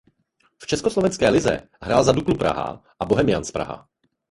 V československé lize hrál za Duklu Praha a Bohemians Praha.